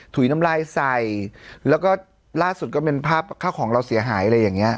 ถุยน้ำลายใส่แล้วก็ล่าสุดก็เป็นภาพข้าวของเราเสียหายอะไรอย่างเงี้